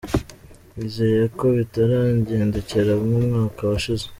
Nizeye neza ko bitarangendekera nk’umwaka washize.